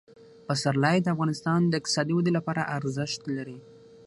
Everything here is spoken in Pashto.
پسرلی د افغانستان د اقتصادي ودې لپاره ارزښت لري.